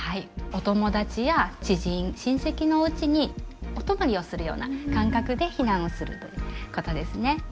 お友達や知人親戚のおうちにお泊まりをするような感覚で避難をするということですね。